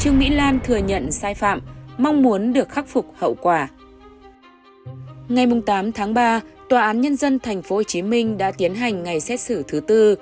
ngày tám tháng ba tòa án nhân dân tp hcm đã tiến hành ngày xét xử thứ tư